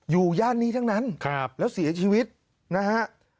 ย่านนี้ทั้งนั้นแล้วเสียชีวิตนะฮะ